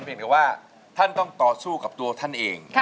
อย่างแต่ว่าท่านต้องต่อสู้กับตัวท่านเอง